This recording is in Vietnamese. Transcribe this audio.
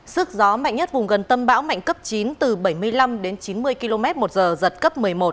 sức gió mạnh nhất vùng gần tâm bão mạnh cấp chín từ bảy mươi năm đến chín mươi km một giờ giật cấp một mươi một